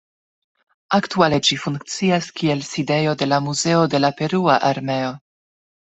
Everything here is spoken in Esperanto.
Aktuale ĝi funkcias kiel sidejo de la Muzeo de la Perua Armeo.